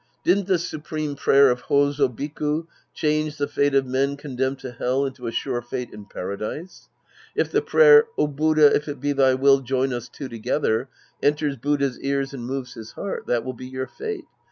Didn't the supreme prayer of Hozo Biku change the fate of men condemned to Hell into a sure fate in Paradise ? If the prayer, " Oh, Buddha, if it be thy will, join us two together," enters Buddha's ears and moves his heart, that will be your fate.